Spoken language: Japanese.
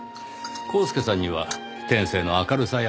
コースケさんには天性の明るさや華があります。